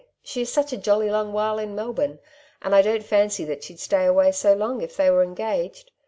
She is such a jolly long while in Melbourne, and I don't fancy that she'd stay away so long if they were engaged.